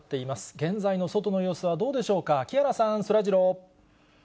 現在の外の様子はどうでしょうか木原さん、そらジロー。